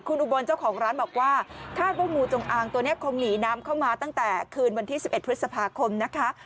คุณอุบลเจ้าของร้านบอกว่าคาดว่างูจงอางตัวนี้คงหนีน้ำเข้ามาตั้งแต่คืนวันที่๑๑พฤษภาคมนะคะ